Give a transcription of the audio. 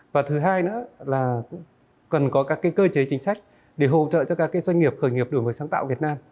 và thứ hai nữa là cần có các cơ chế chính sách để hỗ trợ cho các doanh nghiệp khởi nghiệp đổi mới sáng tạo việt nam